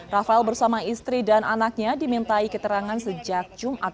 rafael bersama istri dan anaknya dimintai keterangan sejak jumat